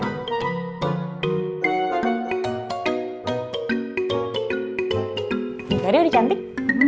ini udah cantik